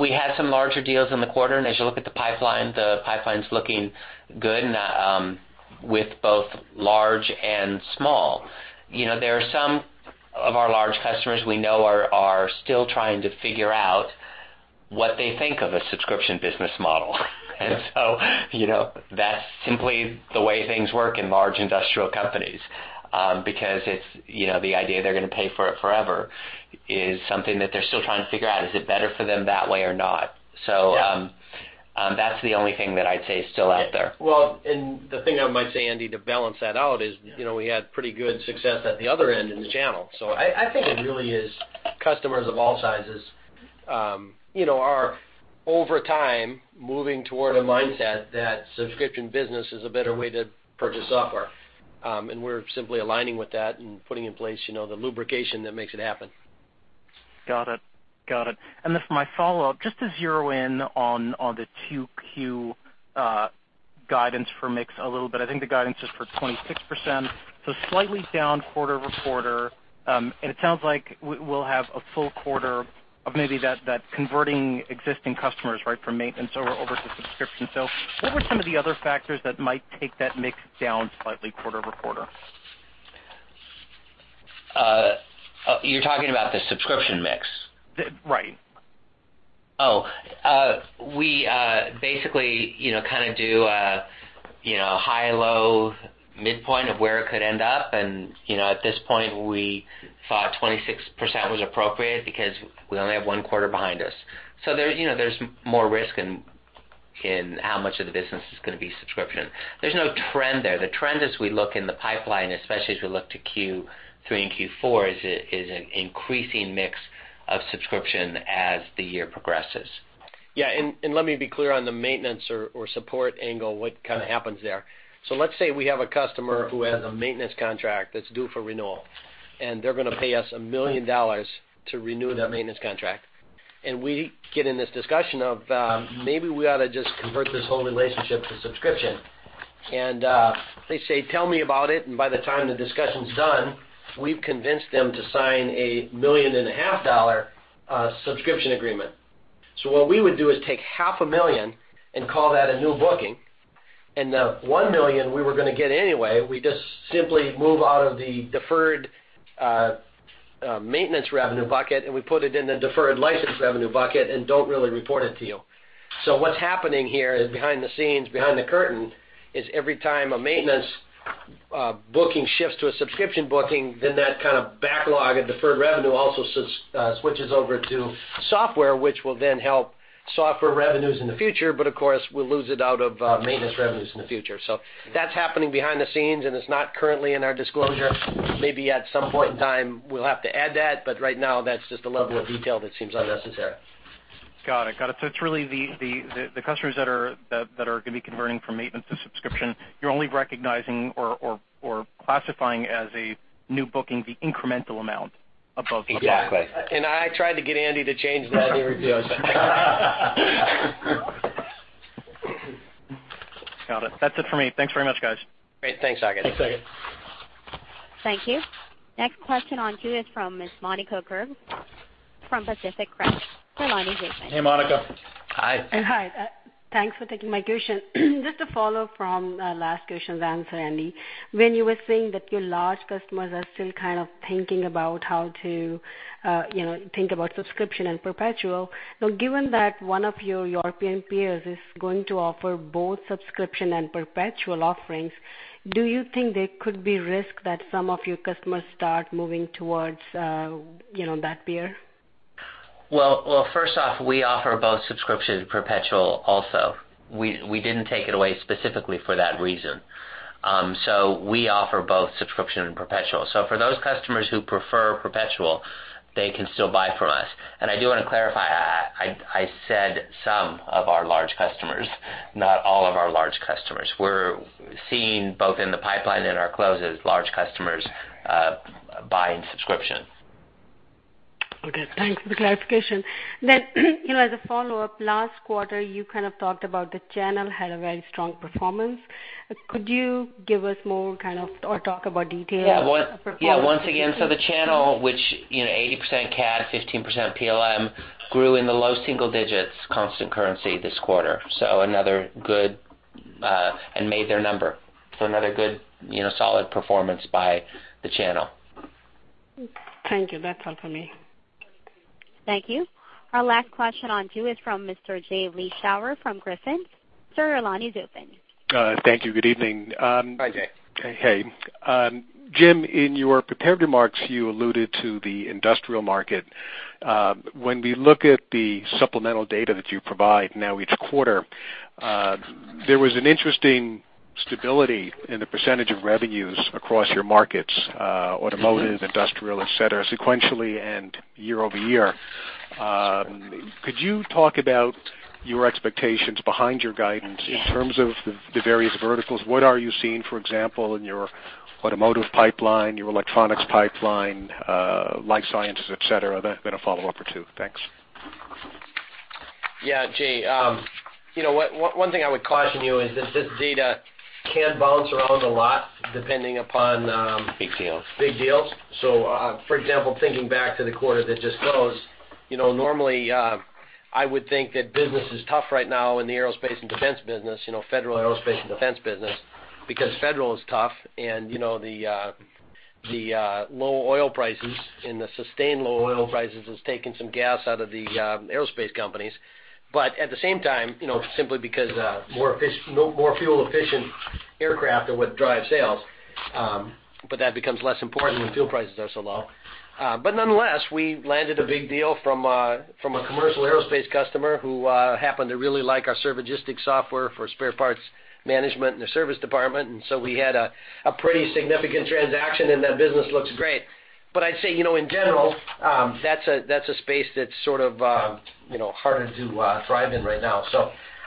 We had some larger deals in the quarter, and as you look at the pipeline, the pipeline's looking good with both large and small. There are some of our large customers we know are still trying to figure out what they think of a subscription business model. That's simply the way things work in large industrial companies. The idea they're going to pay for it forever is something that they're still trying to figure out. Is it better for them that way or not? Yeah That's the only thing that I'd say is still out there. The thing I might say, Andy, to balance that out is, we had pretty good success at the other end in the channel. I think it really is customers of all sizes are, over time, moving toward a mindset that subscription business is a better way to purchase software. We're simply aligning with that and putting in place the lubrication that makes it happen. Got it. For my follow-up, just to zero in on the 2Q guidance for mix a little bit. I think the guidance is for 26%, slightly down quarter-over-quarter. It sounds like we'll have a full quarter of maybe that converting existing customers, right, from maintenance over to subscription. What are some of the other factors that might take that mix down slightly quarter-over-quarter? You're talking about the subscription mix? Right. Oh. We basically kind of do a high-low midpoint of where it could end up, and at this point, we thought 26% was appropriate because we only have one quarter behind us. There's more risk in how much of the business is going to be subscription. There's no trend there. The trend as we look in the pipeline, especially as we look to Q3 and Q4, is an increasing mix of subscription as the year progresses. Let me be clear on the maintenance or support angle, what kind of happens there. Let's say we have a customer who has a maintenance contract that is due for renewal, and they are going to pay us $1 million to renew that maintenance contract. We get in this discussion of, maybe we ought to just convert this whole relationship to subscription. They say, "Tell me about it." By the time the discussion's done, we have convinced them to sign a million-and-a-half dollar subscription agreement. What we would do is take half a million and call that a new booking, and the $1 million we were going to get anyway, we just simply move out of the deferred maintenance revenue bucket, and we put it in the deferred license revenue bucket and do not really report it to you. What is happening here is behind the scenes, behind the curtain, is every time a maintenance booking shifts to a subscription booking, then that kind of backlog of deferred revenue also switches over to software, which will then help software revenues in the future, but of course, we will lose it out of maintenance revenues in the future. That is happening behind the scenes, and it is not currently in our disclosure. Maybe at some point in time, we will have to add that, but right now, that is just a level of detail that seems unnecessary. Got it. It is really the customers that are going to be converting from maintenance to subscription, you are only recognizing or classifying as a new booking the incremental amount above. Exactly. I tried to get Andy to change that, and he refused. Got it. That's it for me. Thanks very much, guys. Great. Thanks, Saket. Thanks, Saket. Thank you. Next question in queue is from Ms. Monika Garg from Pacific Crest. Your line is open. Hey, Monika. Hi. Hi. Thanks for taking my question. Just to follow from last question's answer, Andy. When you were saying that your large customers are still kind of thinking about subscription and perpetual, now given that one of your European peers is going to offer both subscription and perpetual offerings, do you think there could be risk that some of your customers start moving towards that peer? Well, first off, we offer both subscription and perpetual also. We didn't take it away specifically for that reason. We offer both subscription and perpetual. For those customers who prefer perpetual, they can still buy from us. I do want to clarify, I said some of our large customers, not all of our large customers. We're seeing both in the pipeline and our closes, large customers buying subscriptions. Okay. Thanks for the clarification. As a follow-up, last quarter, you kind of talked about the channel had a very strong performance. Could you talk about details of performance? Yeah. Once again, the channel, which 80% CAD, 15% PLM, grew in the low single digits constant currency this quarter, and made their number. Another good, solid performance by the channel. Thank you. That's all for me. Thank you. Our last question in queue is from Mr. Jay B. Shower from Griffin. Sir, your line is open. Thank you. Good evening. Hi, Jay. Hey. Jim, in your prepared remarks, you alluded to the industrial market. When we look at the supplemental data that you provide now each quarter, there was an interesting stability in the percentage of revenues across your markets, automotive, industrial, et cetera, sequentially and year-over-year. Could you talk about your expectations behind your guidance in terms of the various verticals? What are you seeing, for example, in your automotive pipeline, your electronics pipeline, life sciences, et cetera? Then a follow-up or two. Thanks. Yeah, Jay. One thing I would caution you is that this data can bounce around a lot depending upon. Big deals big deals. For example, thinking back to the quarter that just closed, normally, I would think that business is tough right now in the aerospace and defense business, federal aerospace and defense business, because federal is tough, and the low oil prices, and the sustained low oil prices has taken some gas out of the aerospace companies. At the same time, simply because more fuel-efficient aircraft are what drive sales, that becomes less important when fuel prices are so low. Nonetheless, we landed a big deal from a commercial aerospace customer who happened to really like our Servigistics software for spare parts management in their service department. We had a pretty significant transaction, and that business looks great. I'd say, in general, that's a space that's sort of harder to thrive in right now.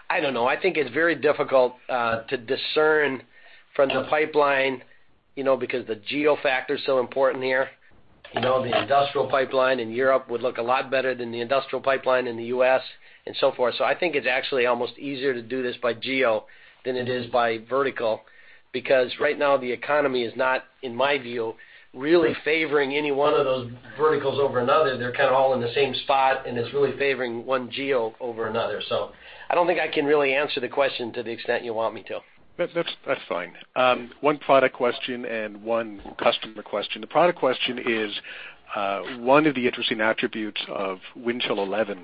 I don't know. I think it's very difficult to discern from the pipeline, because the geo factor is so important here. The industrial pipeline in Europe would look a lot better than the industrial pipeline in the U.S., and so forth. I think it's actually almost easier to do this by geo than it is by vertical, because right now the economy is not, in my view, really favoring any one of those verticals over another. They're kind of all in the same spot, and it's really favoring one geo over another. I don't think I can really answer the question to the extent you want me to. That's fine. One product question and one customer question. The product question is, one of the interesting attributes of Windchill 11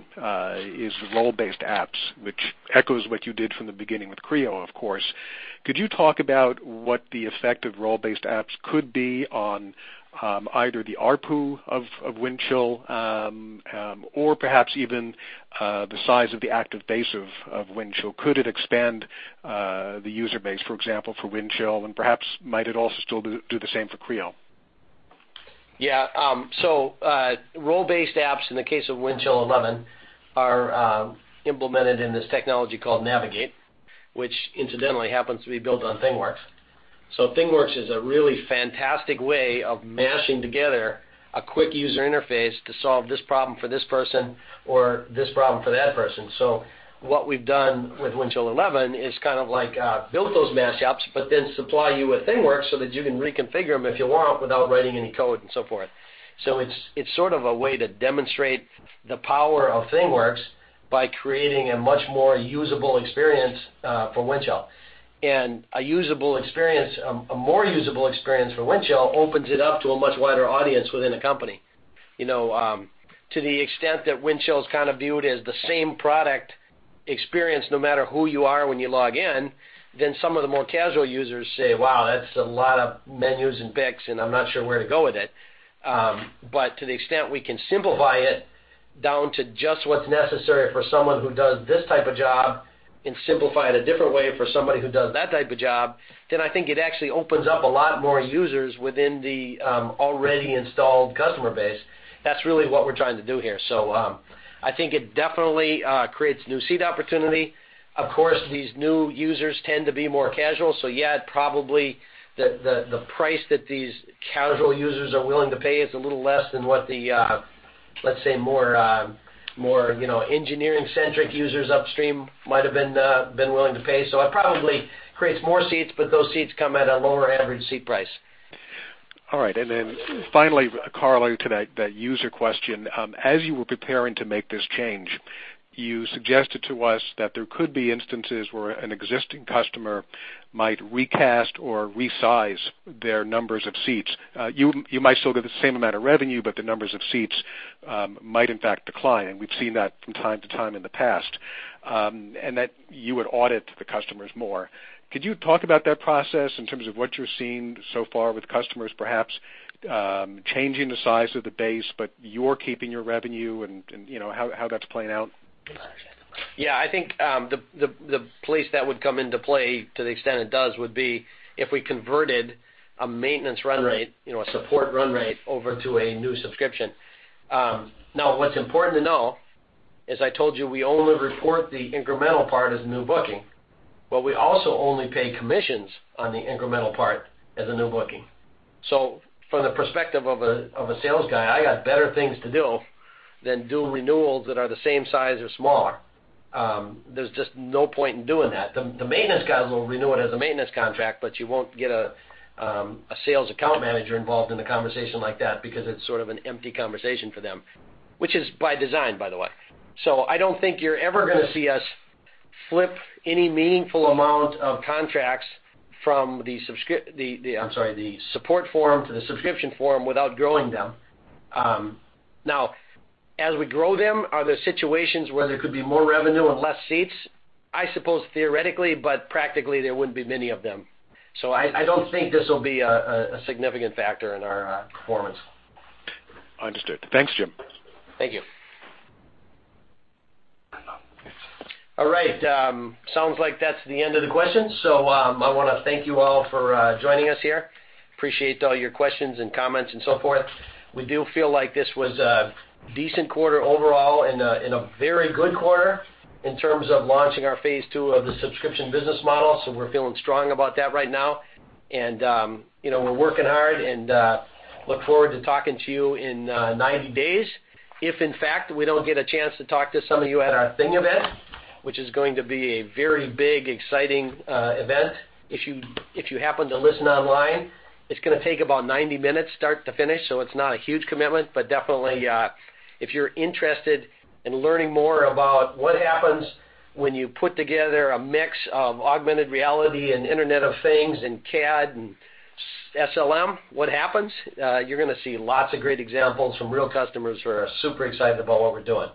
is role-based apps, which echoes what you did from the beginning with Creo, of course. Could you talk about what the effect of role-based apps could be on either the ARPU of Windchill, or perhaps even the size of the active base of Windchill? Could it expand the user base, for example, for Windchill? Perhaps might it also still do the same for Creo? Yeah. Role-based apps, in the case of Windchill 11, are implemented in this technology called Navigate, which incidentally happens to be built on ThingWorx. ThingWorx is a really fantastic way of mashing together a quick user interface to solve this problem for this person or this problem for that person. What we've done with Windchill 11 is kind of like build those mash apps, then supply you with ThingWorx so that you can reconfigure them if you want without writing any code and so forth. It's sort of a way to demonstrate the power of ThingWorx by creating a much more usable experience for Windchill. A more usable experience for Windchill opens it up to a much wider audience within a company. To the extent that Windchill's kind of viewed as the same product experience no matter who you are when you log in, some of the more casual users say, "Wow, that's a lot of menus and picks, and I'm not sure where to go with it." To the extent we can simplify it down to just what's necessary for someone who does this type of job and simplify it a different way for somebody who does that type of job, I think it actually opens up a lot more users within the already installed customer base. That's really what we're trying to do here. I think it definitely creates new seat opportunity. Of course, these new users tend to be more casual, yeah, probably the price that these casual users are willing to pay is a little less than what the, let's say, more engineering-centric users upstream might have been willing to pay. It probably creates more seats, but those seats come at a lower average seat price. All right. Finally, Carl, to that user question. As you were preparing to make this change, you suggested to us that there could be instances where an existing customer might recast or resize their numbers of seats. You might still get the same amount of revenue, but the numbers of seats might in fact decline, and we've seen that from time to time in the past, and that you would audit the customers more. Could you talk about that process in terms of what you're seeing so far with customers perhaps changing the size of the base, but you're keeping your revenue and how that's playing out? Yeah, I think the place that would come into play, to the extent it does, would be if we converted a maintenance run rate, a support run rate, over to a new subscription. What's important to know, as I told you, we only report the incremental part as new booking, but we also only pay commissions on the incremental part as a new booking. From the perspective of a sales guy, I got better things to do than do renewals that are the same size or smaller. There's just no point in doing that. The maintenance guy will renew it as a maintenance contract, but you won't get a sales account manager involved in a conversation like that because it's sort of an empty conversation for them, which is by design, by the way. I don't think you're ever going to see us flip any meaningful amount of contracts from the support form to the subscription form without growing them. As we grow them, are there situations where there could be more revenue and less seats? I suppose theoretically, but practically there wouldn't be many of them. I don't think this will be a significant factor in our performance. Understood. Thanks, Jim. Thank you. All right. Sounds like that's the end of the questions. I want to thank you all for joining us here. Appreciate all your questions and comments and so forth. We do feel like this was a decent quarter overall and a very good quarter in terms of launching our phase 2 of the subscription business model, so we're feeling strong about that right now. We're working hard and look forward to talking to you in 90 days. If in fact, we don't get a chance to talk to some of you at our Thing Event, which is going to be a very big, exciting event. If you happen to listen online, it's going to take about 90 minutes start to finish, so it's not a huge commitment, but definitely if you're interested in learning more about what happens when you put together a mix of augmented reality and Internet of Things and CAD and SLM, what happens, you're going to see lots of great examples from real customers who are super excited about what we're doing.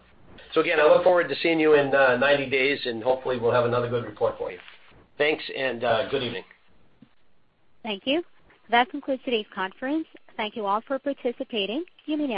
Again, I look forward to seeing you in 90 days, and hopefully we'll have another good report for you. Thanks and good evening. Thank you. That concludes today's conference. Thank you all for participating. You may now disconnect.